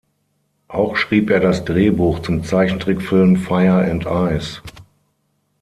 Auch schrieb er das Drehbuch zum Zeichentrickfilm Fire and Ice.